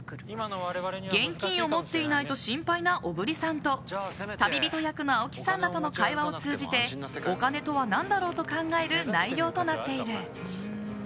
現金を持っていないと心配な小栗さんと旅人役の青木さんらとの会話を通じてお金とは何だろう？と考える内容となっている。